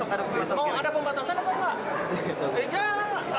oh ada pembatasan atau enggak